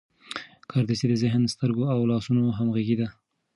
کاردستي د ذهن، سترګو او لاسونو همغږي ده.